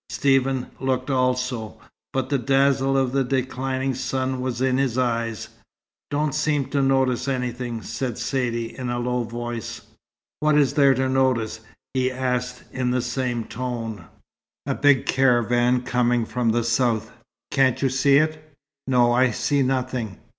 Stephen looked also, but the dazzle of the declining sun was in his eyes. "Don't seem to notice anything," said Saidee in a low voice. "What is there to notice?" he asked in the same tone. "A big caravan coming from the south. Can't you see it?" "No. I see nothing."